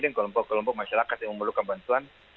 dan kolompok kolompok masyarakat yang memerlukan bantuan